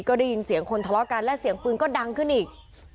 ก็ได้ยินเสียงคนทะเลาะกันและเสียงปืนก็ดังขึ้นอีก